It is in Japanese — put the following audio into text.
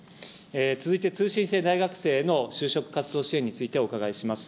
続いて、通信制大学生の就職活動支援についてお伺いします。